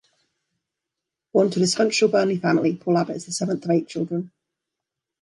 Born into a dysfunctional Burnley family, Paul Abbott is the seventh of eight children.